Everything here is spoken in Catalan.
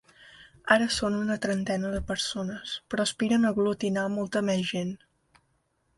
Ara són una trentena de persones, però aspiren a aglutinar molta més gent.